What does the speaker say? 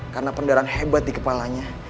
karena pendarahan hebat di kepalanya